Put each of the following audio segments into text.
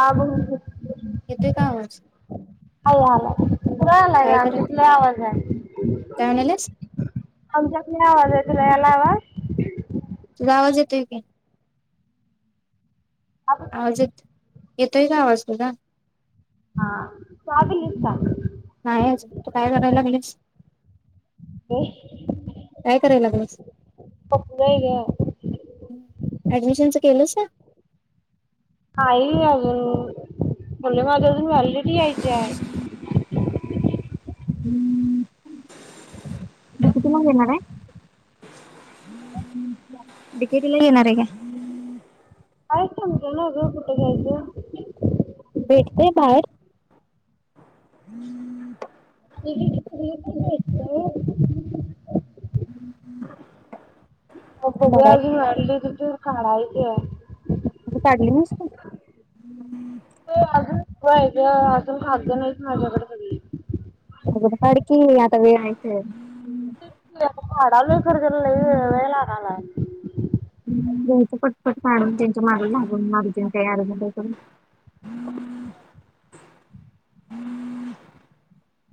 ह ब [unintelligible] येतोय का आवाज. कला काय का करायचं आमच्यातला आवाज आहे काय म्हणालेस आमच्यात लई आवाज आहे. ला यालावा... तुला आवाज येतोय का. आजत. येतोय का आवाज सुधा. हा चगल स [unintelligible] नाही अजून तू काय करायला लागलीस. काय कराय लागल्यास पकडलंय ग ऍडमिशनच केलस का. हा येल अ मुल्ि माझ.... अून वल्रडी टी आयच आहे. हम्म. उप केडे... [inaudible] डिकेटला येणार हाय काय. काय समज ना ग कुठे घ्यायचं. हम्म. [unintelligible] [unintelligible] हम्म ह् मग बगु या हायय म काढली नाहीस तु होय ते अजून खगद नाही माझ्याकडे सगळी अगोदर काढ की आता वेळ हाय तर. काढालोय खरं त्याला लय वेळ लागलाय मॅड त्यांच्या मगला लागून मारती काहीड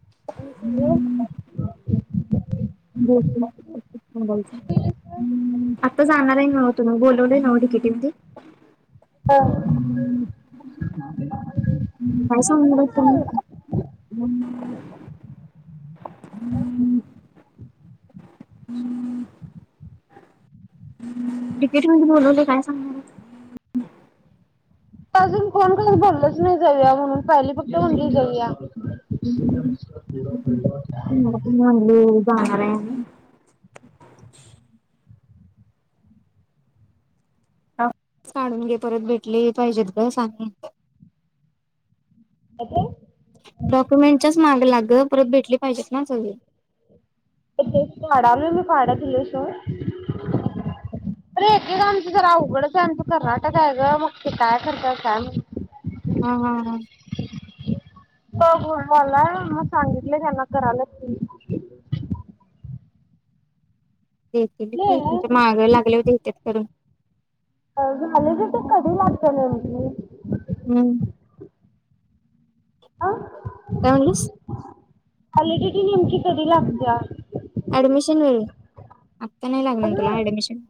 [inaudible] दो. जाणार आहे नव तुम्ही बोलवलं आहे नव तिकिटी म हा [inaudible] काय सांगू बाई [unintelligible] [inaudible] तिकीट म्हे बोलवले काय सांगणार ये? त्या अजून कोण काय बोलचं नाही जाऊया म्हणून? पहिले फक्त म्हंली जाऊया [inaudible] [unintelligible] जाणार ये आम्ही काढून घे परत भेटले पाहिजेत ग सांग? काय ते डॉक्युमेंटच्याच माग लागल परत भेटली पाहिजेत ना सगळी ते काढाल मी काडा दिलय सोड अरे एके आमचं जरा अवघडच आमचं कर्नाटक आहे ग मग ते काय करतय काय माहित? हा हा हा बघ मला मग सांगितलं त्यांना कारलात त्यांनी देतील की त्यांच्या माग लागल्यावर देतात करून झाल्यात ग कधी लागत्यात [unintelligible] हम्म आ काय म्हणलीस क्वालिटी नेमकी कदी लागत्या? आम् आता नाही ना लागणार अजून तुला ऍडमिशन?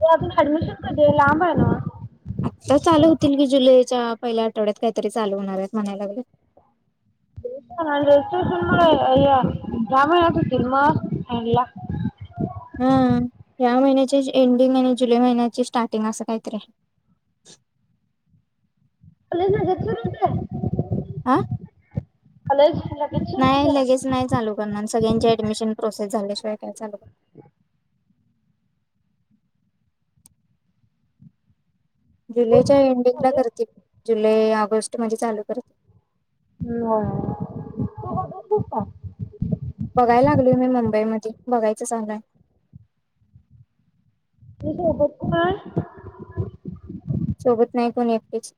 ते अजून ऍडमिशन कधी ये लांब आहे नव्ह? आत्ता चालू होतील की जुलैच्या पहिल्या आठवड्यात काहीतरी चालू होणार आहेत म्हणाय लागलेत [unintelligible] हा ह्या महिन्याचे एंडिंग आणि जुलै महिन्याचे स्टार्टिंग असं काहीतरी आहे [unintelligible] आ ह कॉलेज लगेच सुरू नाही होते लगेच नाही चालू करणार सगळ्यांचे ऍडमिशन प्रोसेस झाल्याशिवाय? [inaudible] [inaudible] जुलैच्या एंडिंगला करतील जुलै ऑगस्ट मध्ये चालू करते नाय तु बघीतलीस का? बघायला लागलो मी मुंबई मध्ये बघायच चालाय सोबत कोण हाय? सोबत नाय कोण एकटीच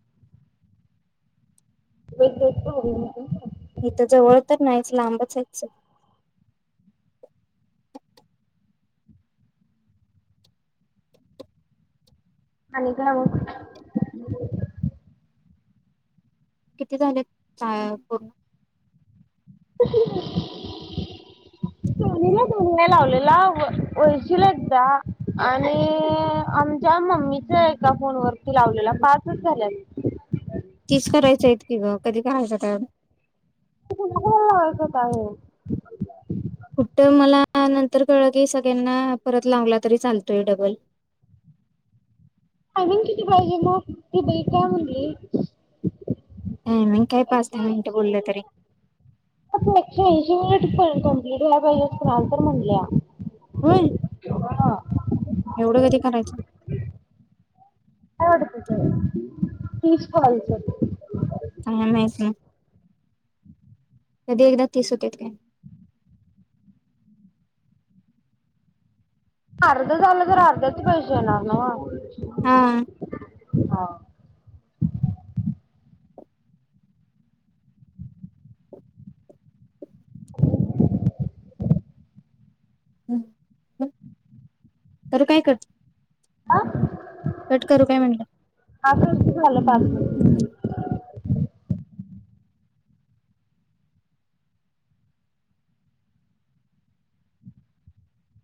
[unintelligible] इथ जवळ तर नाहीच लांबच हायस आणि गाव [unintelligible] किती झाले आ पूर्ण सोनीला दोनवेळा लावलेला वळ वळशील एकदा आणि आमच्या मम्मीच एका फोन वरती लावलेला पाचच झाल्याने तीस करायचीत किग कधी [unintelligible] काय? [unintelligible] कुठ मला नंतर कळल की सगळ्यांना परत लावला तरी चालतोय डबल वून किती पाहिजे मग त बई काय म्हणली ह मी काय पाच दहा एकशे मिनिटं ऐंशी बोललो तरी मिनिट [unintelligible] होय एवढ कधी करायच. तीस कॉल झाले. आम्हाला माहीत नाही कधी एकदा तीस होत्यात ते. अर्ध झाल तर अर्ध्याच पैसे येणार नव. हा हा [unintelligible] हम् तर काय कर. ह कट करू काय म्हटलं? आ ख भल पा [unintelligible]